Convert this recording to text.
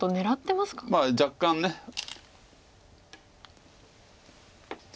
まあ若干ね。